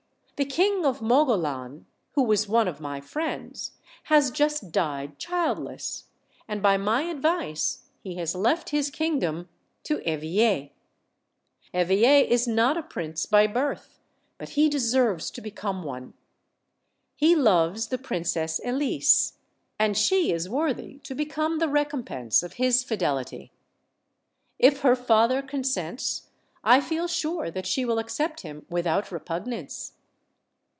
The King of Mogolan, who was one of my friends, has just died childless, and by my advice he has left his kingdom to Eveille. Eveille is not a prince by birth, but he deserves to become one. He loves the Princess Elise, and she is worthy to become the recompense of his fidelity. If her father consents I feel sure that she will accept him without repugnance."